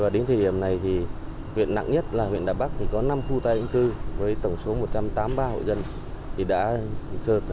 đến thời điểm này huyện nặng nhất là huyện đà bắc có năm khu tai định cư với tổng số một trăm tám mươi ba hộ dân